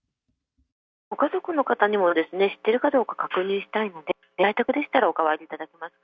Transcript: ご家族の方にもですね、知ってるかどうか確認したいので、在宅でしたらお代わりいただけますか。